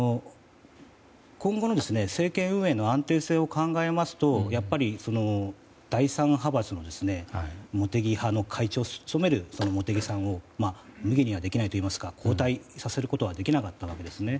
今後の政権運営の安定性を考えますと第３派閥の茂木派の会長を務める茂木さんをむげにはできないといいますか交代させることはできなかったわけですね。